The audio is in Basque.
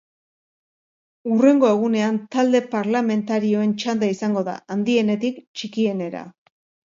Hurrengo egunean talde parlamentarioen txanda izango da, handienetik txikienera.